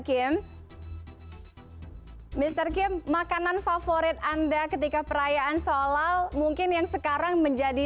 kim mr kim makanan favorit anda ketika perayaan sholal mungkin yang sekarang menjadi